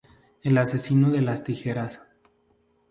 El Asesino de las Tijeras.